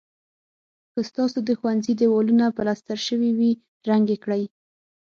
که ستاسو د ښوونځي دېوالونه پلستر شوي وي رنګ یې کړئ.